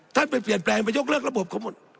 ท่านไปเปลี่ยนแปลงไปยกเลิกระบบเขาหมด